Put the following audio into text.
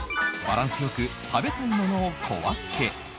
バランス良く食べたいものを小分け